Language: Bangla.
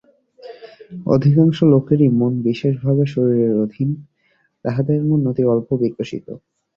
অধিকাংশ লোকেরই মন বিশেষভাবে শরীরের অধীন, তাহাদের মন অতি অল্প-বিকশিত।